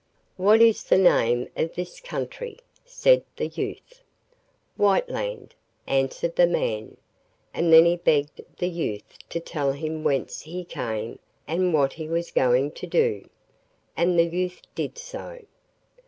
'What is the name of this country?' said the youth. 'Whiteland,' answered the man, and then he begged the youth to tell him whence he came and what he was going to do, and the youth did so.